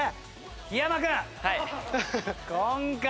檜山君。